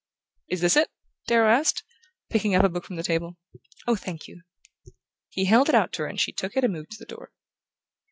"Is this it?" Darrow asked, picking up a book from the table. "Oh, thank you!" He held it out to her and she took it and moved to the door.